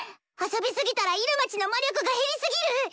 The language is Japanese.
遊びすぎたらイルマちの魔力が減りすぎる？